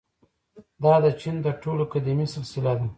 • دا د چین تر ټولو قدیمي سلسله ده.